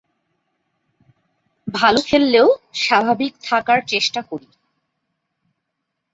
ভালো খেললেও স্বাভাবিক থাকার চেষ্টা করি।